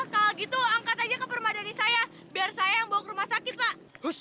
kalau gitu angkat aja ke permadani saya biar saya yang bawa ke rumah sakit pak